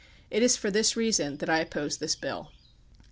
It is for this reason that I oppose this bill.